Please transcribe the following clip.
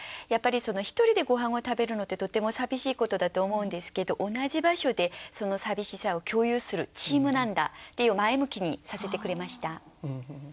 やっぱりその一人でごはんを食べるのってとっても寂しいことだと思うんですけど同じ場所でその寂しさを共有するチームなんだっていう前向きにさせてくれました。